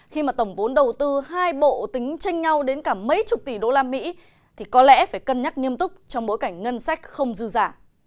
khi mà tổng vốn đầu tư hai bộ tính tranh nhau đến cả mấy chục tỷ đô la mỹ thì có lẽ phải cân nhắc nghiêm túc trong bối cảnh ngân sách không dư giả